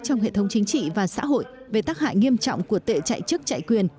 trong hệ thống chính trị và xã hội về tác hại nghiêm trọng của tệ chạy chức chạy quyền